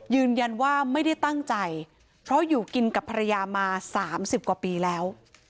ยืนยันว่าไม่ได้ตั้งใจเพราะอยู่กินกับภรรยามา๓๐กว่าปีแล้ว